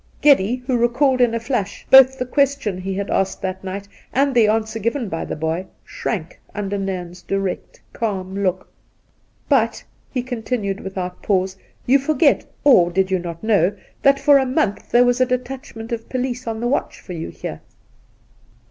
Geddy, who recalled in a flash both the question he had asked that night and the answer given by the boy, shrank under Nairn's direct, calm look. ' But,' he continued without pause, ' you forget — or did you not know? — that for a month there was a detachment of police on the watch for you here.'